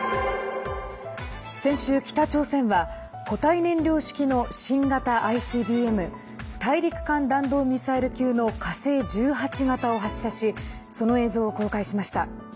先週、北朝鮮は固体燃料式の新型ＩＣＢＭ＝大陸間弾道ミサイル級の火星１８型を発射しその映像を公開しました。